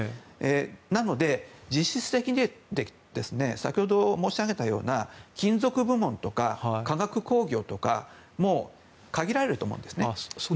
なので、実質的には先ほど申し上げたような金属部門とか化学工業とか限られると思うんですね。